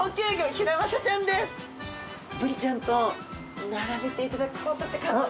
ブリちゃんと並べていただくことって可能でしょうか？